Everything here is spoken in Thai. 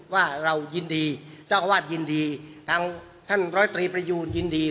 ว่าเรายินดีเจ้าอาวาสยินดีทางท่านร้อยตรีประยูนยินดี